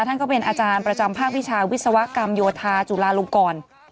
ท่านก็เป็นอาจารย์ประจำภาควิชาวิศวกรรมโยธาจุลาลงกร